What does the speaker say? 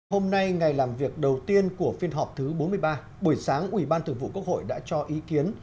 hôm nay ngày làm việc đầu tiên của phiên họp thứ bốn mươi ba buổi sáng ủy ban thường vụ quốc hội đã cho ý kiến